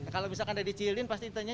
kalau misalkan ada di cililin pasti ditanya